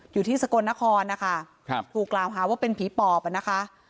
อยู่ที่สกลนครนะคะครับถูกกล่าวหาว่าเป็นผีปอบอ่ะนะคะ